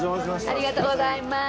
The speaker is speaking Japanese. ありがとうございます。